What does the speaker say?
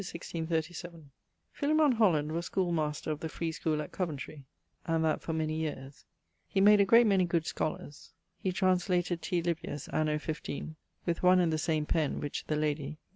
Philêmon Holland was schoole master of the free schoole at Coventrey, and that for many yeares. He made a great many good scholars. He translated T. Livius, anno 15 , with one and the same pen, which the lady